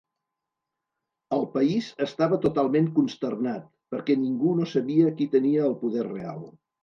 El país estava totalment consternat, perquè ningú no sabia qui tenia el poder real.